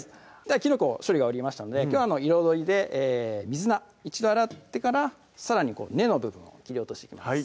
きのこ処理が終わりましたのできょうは彩りで水菜一度洗ってからさらに根の部分を切り落としていきます